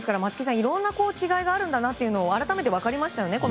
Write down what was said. いろんな違いがあるんだなと改めて分かりましたよね。